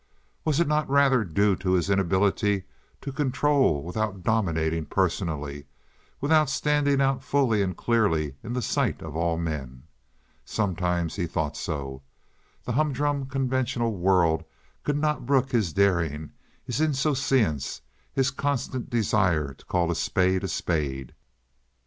Was it not rather due to his inability to control without dominating personally—without standing out fully and clearly in the sight of all men? Sometimes he thought so. The humdrum conventional world could not brook his daring, his insouciance, his constant desire to call a spade a spade.